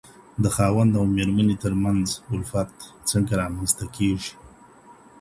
د خاوند او ميرمنې تر منځ الفت څنګه رامنځته کیږي؟